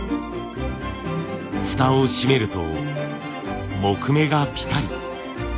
フタを閉めると木目がピタリ。